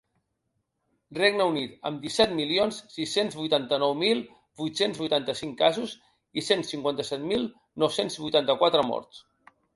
Regne Unit, amb disset milions sis-cents vuitanta-nou mil vuit-cents vuitanta-cinc casos i cent cinquanta-set mil nou-cents vuitanta-quatre morts.